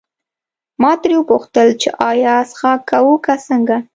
ما ترې وپوښتل چې ایا څښاک کوو که څنګه.